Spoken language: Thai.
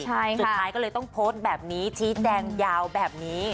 สุดท้ายก็เลยต้องโพสต์แบบนี้ชี้แจงยาวแบบนี้